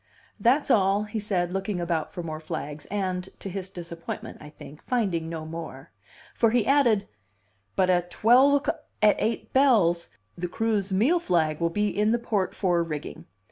"That's all," he said, looking about for more flags, and (to his disappointment, I think) finding no more. For he added: "But at twelve o'c at eight bells, the crew's meal flag will be in the port fore rigging.